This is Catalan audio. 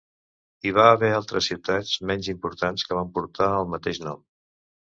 Hi va haver altres ciutats menys importants que van portar el mateix nom.